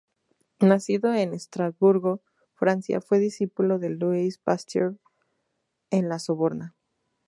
Nacido en Estrasburgo, Francia, fue discípulo de Louis Pasteur en la Sorbona.